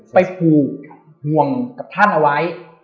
ไปผูกห่วงกับท่านเอาไว้